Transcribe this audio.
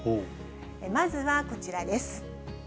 まずはこちらです。